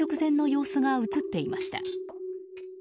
そこには、犯行直前の様子が映っていました。